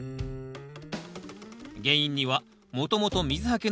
原因にはもともと水はけの悪い土地。